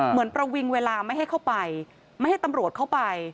ประวิงเวลาไม่ให้เข้าไปไม่ให้ตำรวจเข้าไป